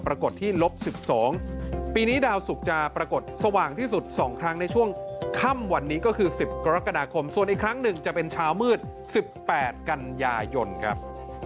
ปรากฏสว่างที่สุด๒ครั้งในช่วงค่ำวันนี้ก็คือ๑๐กรกฎาคมส่วนอีกครั้งหนึ่งจะเป็นเช้ามืด๑๘กันยายนครับ